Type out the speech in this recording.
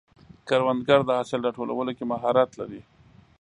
کروندګر د حاصل راټولولو کې مهارت لري